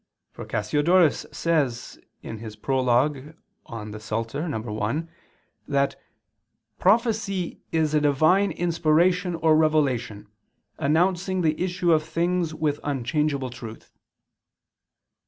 For Cassiodorus says [*Prol. super Psalt. i] that "prophecy is a Divine inspiration or revelation, announcing the issue of things with unchangeable truth."